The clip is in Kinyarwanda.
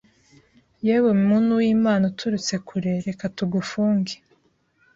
"Yewe muntu wImana uturutse kure Reka tugufunge